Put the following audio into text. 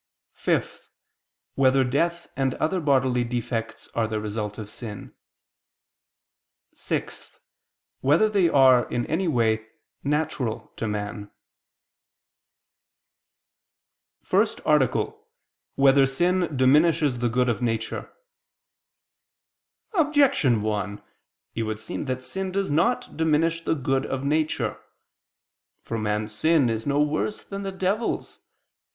(5) Whether death and other bodily defects are the result of sin? (6) Whether they are, in any way, natural to man? ________________________ FIRST ARTICLE [I II, Q. 85, Art. 1] Whether Sin Diminishes the Good of Nature? Objection 1: It would seem that sin does not diminish the good of nature. For man's sin is no worse than the devil's.